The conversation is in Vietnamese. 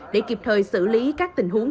để kịp thời xử lý các tình huống